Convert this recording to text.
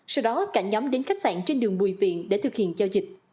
sau đó cả nhóm đến khách sạn trên đường bùi viện để thực hiện giao dịch